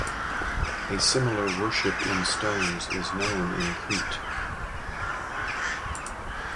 A similar worship in stones is known in Crete.